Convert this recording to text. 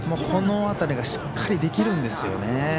この辺りがしっかりできるんですよね。